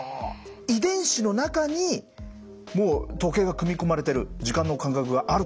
遺伝子の中にもう時計が組み込まれてる時間の感覚があるということなんですか。